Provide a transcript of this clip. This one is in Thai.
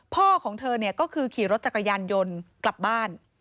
พ่อของเธอก็คือขี่รถจักรยานยนต์กลับบ้าน